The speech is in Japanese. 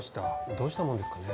どうしたもんですかね。